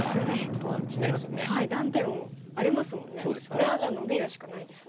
これはじゃあノビるしかないですね。